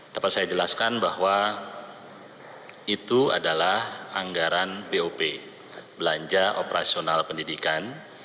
dapat saya jelaskan bahwa itu adalah anggaran bop belanja operasional pendidikan